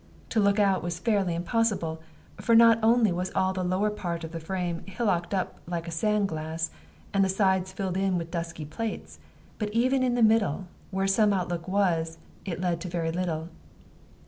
To look out fairly was impossible; for not only was all the lower part of the frame hillocked up like a sandglass, and the sides filled in with dusky plaits, but even in the middle, where some outlook was, it led to very little.